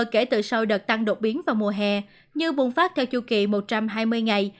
kể từ sau đợt tăng đột biến vào mùa hè như bùng phát theo chu kỳ một trăm hai mươi ngày